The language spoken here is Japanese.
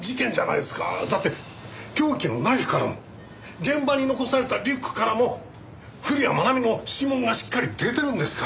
だって凶器のナイフからも現場に残されたリュックからも古谷愛美の指紋がしっかり出てるんですから。